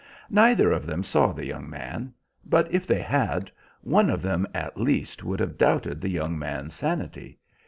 Neither of them saw the young man. But if they had, one of them at least would have doubted the young man's sanity.